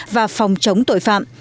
và phòng chống tội phạm